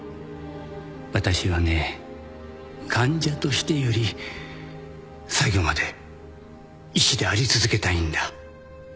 私はね患者としてより最後まで医師であり続けたいんだ。